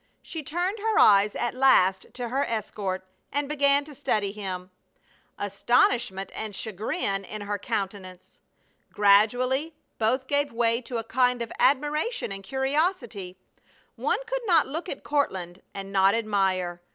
She turned her eyes at last to her escort and began to study him, astonishment and chagrin in her countenance. Gradually both gave way to a kind of admiration and curiosity. One could not look at Courtland and not admire.